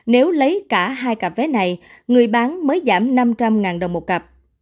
nếu lấy cả hai cặp vé này người bán mới giảm năm trăm linh đồng một cặp